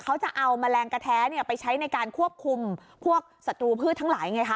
เขาจะเอาแมลงกระแท้ไปใช้ในการควบคุมพวกศัตรูพืชทั้งหลายไงคะ